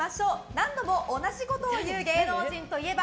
何度も同じことを言う芸能人といえば？